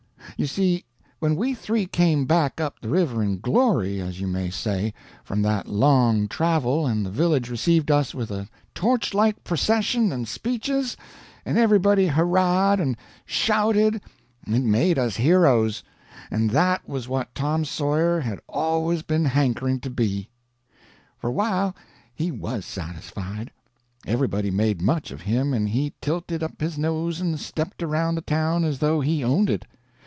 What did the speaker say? You see, when we three came back up the river in glory, as you may say, from that long travel, and the village received us with a torchlight procession and speeches, and everybody hurrah'd and shouted, it made us heroes, and that was what Tom Sawyer had always been hankering to be. For a while he was satisfied. Everybody made much of him, and he tilted up his nose and stepped around the town as though he owned it.